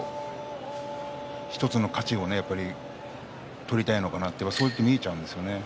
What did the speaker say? １つの勝ちを取りたいのかなとそうやって見えちゃうんですよね。